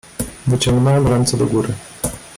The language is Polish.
"Wyciągnąłem ręce do góry."